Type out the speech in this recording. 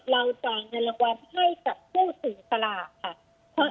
จ่ายเงินรางวัลให้กับผู้ถือสลากค่ะ